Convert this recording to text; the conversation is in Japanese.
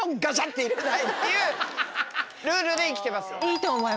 入れたいっていうルールで生きてます。